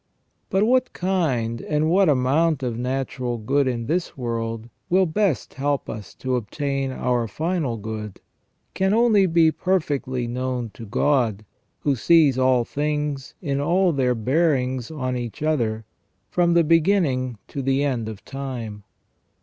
But what kind and what amount of natural good in this world will best help us to obtain our final good, can only be perfectly known to God, who sees all things in i88 ON EVIL AND THE ORIGIN OF EVIL. all their bearings on each other, from the beginning to the end of time.